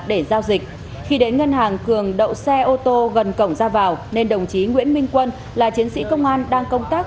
để giao dịch khi đến ngân hàng cường đậu xe ô tô gần cổng ra vào nên đồng chí nguyễn minh quân là chiến sĩ công an đang công tác